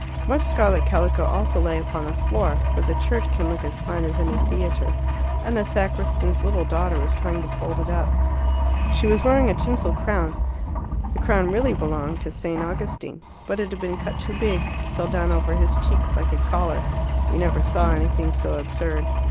Much scarlet calico also lay upon the floor for the church can look as fine as any theatre and the sacristan's little daughter was trying to fold it up. She was wearing a tinsel crown. The crown really belonged to St. Augustine. But it had been cut too big: it fell down over his cheeks like a collar: you never saw anything so absurd.